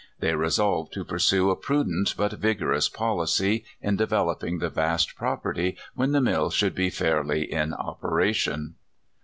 They resolved to pursue a prudent but vigorous policy in developing the vast property when the mill should be fairly in operation.